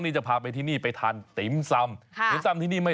นี่จะพาไปที่นี่ไปทานติมสำ